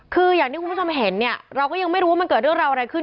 คืออย่างที่คุณผู้ชมเห็นเนี่ยเราก็ยังไม่รู้ว่ามันเกิดเรื่องราวอะไรขึ้น